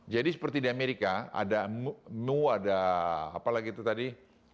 jadi seperti di amerika ada new ada apa lagi itu tadi